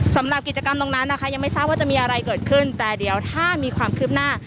สำหรับกิจกรรมตรงนั้นนะคะยังไม่ทราบว่าจะมีอะไรเกิดขึ้นแต่เดี๋ยวถ้ามีความคืบหน้า